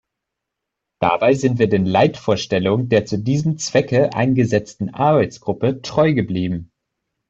Dabei sind wir den Leitvorstellungen der zu diesem Zwecke eingesetzten Arbeitsgruppe treu geblieben.